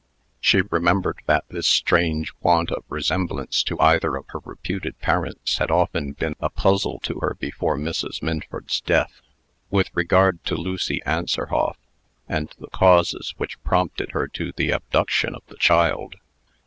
She remembered that this strange want of resemblance to either of her reputed parents had often been a puzzle to her before Mrs. Minford's death. With regard to Lucy Anserhoff, and the causes which prompted her to the abduction of the child.